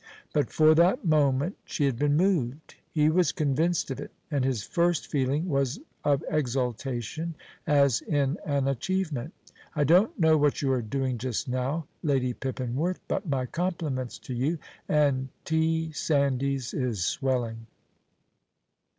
But for that moment she had been moved. He was convinced of it, and his first feeling was of exultation as in an achievement. I don't know what you are doing just now, Lady Pippinworth, but my compliments to you, and T. Sandys is swelling.